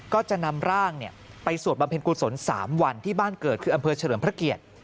ก็จะนำร่างไปสวดบำเพ็ญกุศล๓วันที่บ้านเกิดคืออำเภอเฉลิมพระเกียรติ